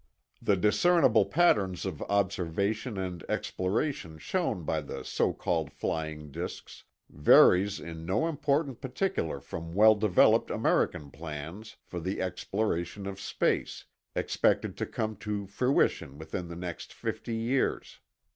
The discernible patterns of observation and exploration shown by the so called flying disks varies in no important particular from well developed American plans for the exploration of space, expected to come to fruition within the next fifty years.